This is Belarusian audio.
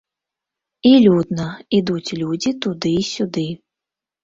І людна, ідуць людзі туды і сюды.